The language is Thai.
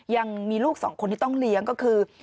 ยังมีลูกสองคนที่ต้องเลี้ยงก็คือ